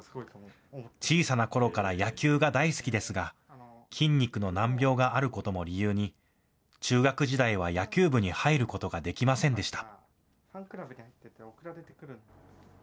小さなころから野球が大好きですが筋肉の難病があることも理由に中学時代は野球部に入ることができませんでした。